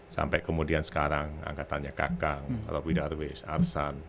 sampai kemudian sekarang angkatannya kak kang robby darwish arsan